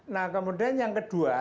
nah kemudian yang kedua